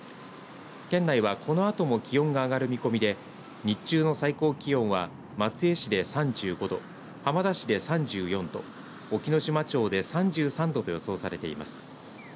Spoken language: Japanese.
県内はこのあとも気温が上がる見込みで日中の最高気温は松江市で３５度浜田市で３４度隠岐の島町で３３度と予想されています。